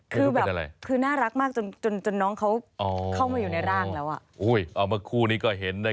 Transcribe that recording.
คือแบบคือน่ารักมากจนจนน้องเขาเข้ามาอยู่ในร่างแล้วอ่ะ